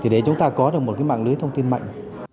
để chúng ta có được một mạng lưới thông tin mạnh